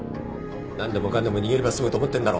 何でもかんでも逃げれば済むと思ってんだろ？